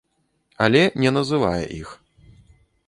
Але не называе іх.